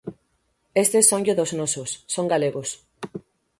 Estes sonlle dos nosos, son galegos.